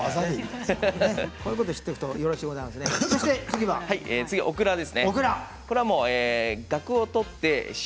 こういうことを知っておくとよござんすね。